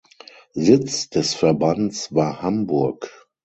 Sitz des Verbands war Hamburg.